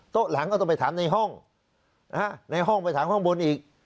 หลังก็ต้องไปถามในห้องในห้องไปถามข้างบนอีก